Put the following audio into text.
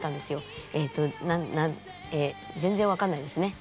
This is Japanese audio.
えっと全然分かんないですね。